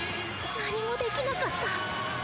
何もできなかった！